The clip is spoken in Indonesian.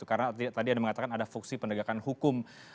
karena tadi anda mengatakan ada fungsi penegakan hukum